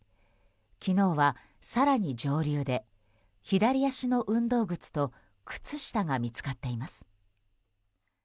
昨日は、更に上流で左足の運動靴と靴下が見つかっています。